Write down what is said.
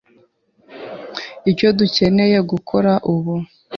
Icyo ducyeneye gukora ubu